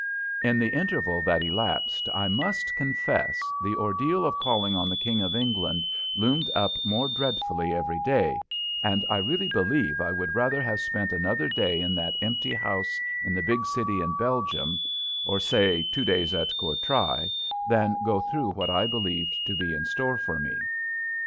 In the interval that elapsed I must confess, the ordeal of calling on the King of England loomed up more dreadfully every day, and I really believe I would rather have spent another day in that empty house in the big city in Belgium, or, say, two days at Courtrai, than go through what I believed to be in store for me.